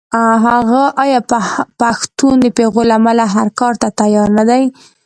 آیا پښتون د پېغور له امله هر کار ته تیار نه دی؟